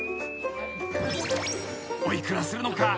［お幾らするのか？